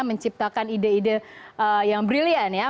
menciptakan ide ide yang brilliant ya